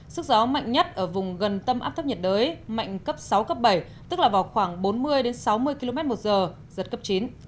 sức gió mạnh nhất ở vùng gần tâm áp thấp nhiệt đới mạnh cấp sáu cấp bảy tức là vào khoảng bốn mươi sáu mươi km một giờ giật cấp chín